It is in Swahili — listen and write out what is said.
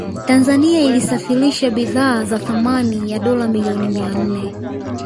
Tanzania ilisafirisha bidhaa za thamani ya dola milioni mia nne